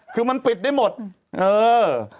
คือมันปิดได้หมดเออ